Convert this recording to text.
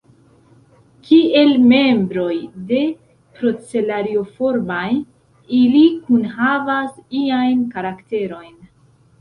Kiel membroj de Procelarioformaj, ili kunhavas iajn karakterojn.